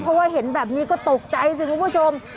เพราะว่าเห็นแบบนี้ก็ตกใจสิคุณผู้ชม